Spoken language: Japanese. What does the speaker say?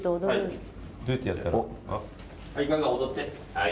はい。